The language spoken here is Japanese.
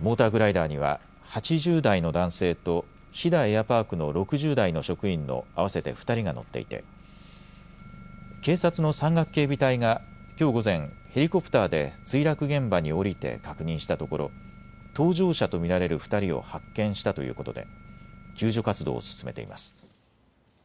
モーターグライダーには８０代の男性と飛騨エアパークの６０代の職員の合わせて２人が乗っていて警察の山岳警備隊がきょう午前、ヘリコプターで墜落現場に降りて確認したところ搭乗者と見られる２人を発見したということで救助活動を進めています。